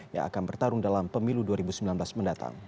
yang akan bertarung dalam pemilu dua ribu sembilan belas mendatang